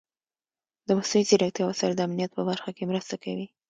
د مصنوعي ځیرکتیا وسایل د امنیت په برخه کې مرسته کوي.